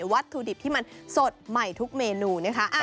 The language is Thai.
วัตถุดิบที่มันสดใหม่ทุกเมนูนะคะ